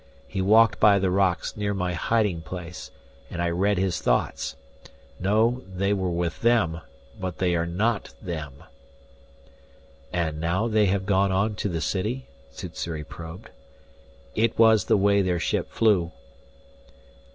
He walked by the rocks near my hiding place, and I read his thoughts. No, they were with them, but they are not them!" "And now they have gone on to the city?" Sssuri probed. "It was the way their ship flew."